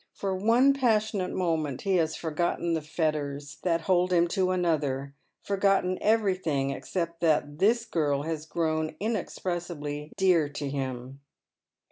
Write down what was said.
For one passionate moment he has forgotten the fetters that hold him to another, forgotten everything except that this girl has grown inexpres Eibly dear to him.